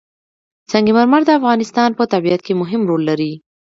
سنگ مرمر د افغانستان په طبیعت کې مهم رول لري.